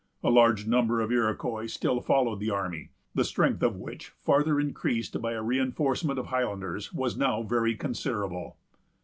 A large number of Iroquois still followed the army, the strength of which, farther increased by a re enforcement of Highlanders, was now very considerable.